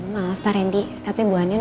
maaf pak randy tapi bu aniun